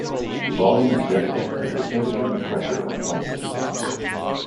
The volume is definite if the temperature and pressure are constant.